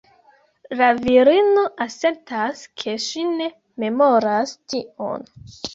La virino asertas ke ŝi ne memoras tion.